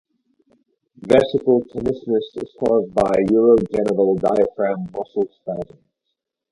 Vesical tenesmus is caused by urogenital diaphragm muscle spasms.